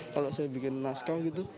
kalau saya bikin naskah gitu